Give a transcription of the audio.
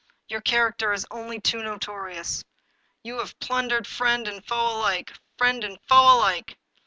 Your character is only too notorious ! You have plundered friend and foe alike — friend and foe alike